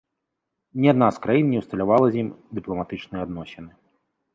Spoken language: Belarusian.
Ні адна з краін не ўсталявала з ім дыпламатычныя адносіны.